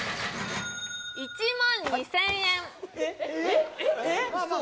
１万２０００円・えっ？